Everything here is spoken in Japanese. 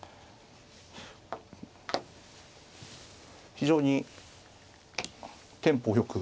非常にテンポよく。